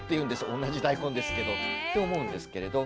同じ大根ですけど。と思うんですけれど。